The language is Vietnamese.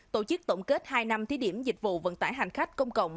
tổ chức tổng kết hai năm thí điểm dịch vụ vận tải hành khách công cộng